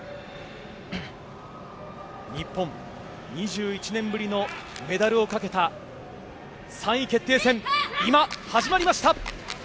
日本、２１年ぶりのメダルをかけた３位決定戦今始まりました。